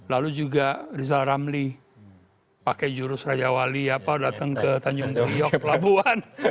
lalu juga rizal ramli pakai jurus raja wali datang ke tanjung priok pelabuhan